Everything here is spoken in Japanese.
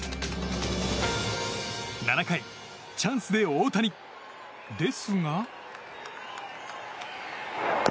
７回、チャンスで大谷ですが。